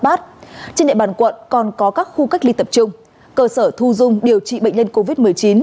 trên địa bàn quận còn có các khu cách ly tập trung cơ sở thu dung điều trị bệnh nhân covid một mươi chín